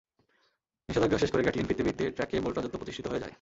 নিষেধাজ্ঞা শেষ করে গ্যাটলিন ফিরতে ফিরতে ট্র্যাকে বোল্ট-রাজত্ব প্রতিষ্ঠিত হয়ে যায়।